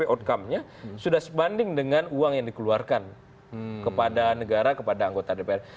outcome nya sudah sebanding dengan uang yang dikeluarkan kepada negara kepada anggota dpr